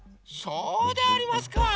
そうでありますか。